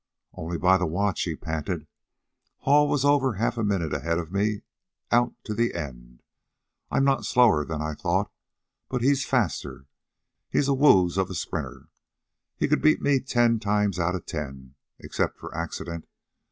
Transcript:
"Only by the watch," he panted. "Hall was over half a minute ahead of me out to the end. I'm not slower than I thought, but he's faster. He's a wooz of a sprinter. He could beat me ten times outa ten, except for accident.